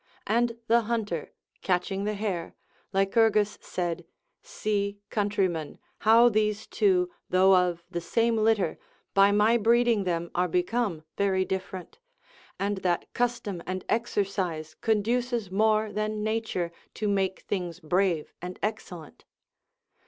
And the hunter catching the hare, Lycurgus said : See, countrymen, how these two, though of the same litter, by my breeding them are become very diff'erent ; and that custom and exer cise conduces more than Nature to make things brave and excellent.